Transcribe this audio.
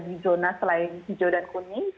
di zona selain hijau dan kuning